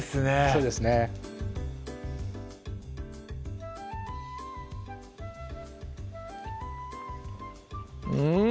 そうですねうん！